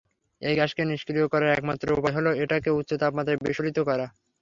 এই গ্যাসকে নিষ্ক্রিয় করার একমাত্র উপায় হলো এটাকে উচ্চ তাপমাত্রায় বিস্ফোরিত করা।